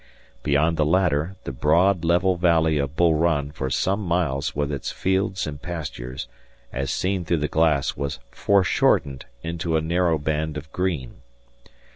Beyond the latter the broad, level valley of Bull Run for some miles with its fields and pastures as seen through the glass was foreshortened into a narrow band of green.